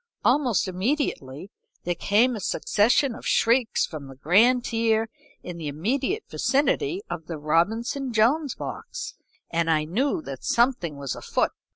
Almost immediately there came a succession of shrieks from the grand tier in the immediate vicinity of the Robinson Jones box, and I knew that something was afoot.